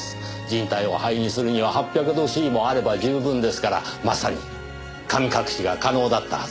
人体を灰にするには８００℃もあれば十分ですからまさに神隠しが可能だったはずです。